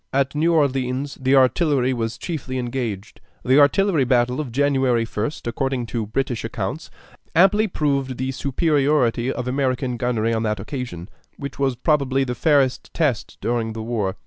At New Orleans the artillery was chiefly engaged. The artillery battle of January 1st, according to British accounts, amply proved the superiority of American gunnery on that occasion, which was probably the fairest test during the war.